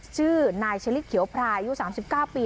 ชื่อนายเชลฤทเขียวพลายอยู่๓๙ปี